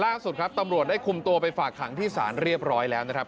ล่าสุดครับตำรวจได้คุมตัวไปฝากขังที่ศาลเรียบร้อยแล้วนะครับ